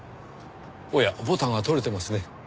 おやボタンが取れてますね。